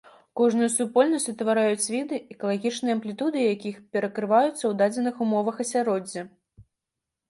Кожную супольнасць утвараюць віды, экалагічныя амплітуды якіх перакрываюцца ў дадзеных умовах асяроддзя.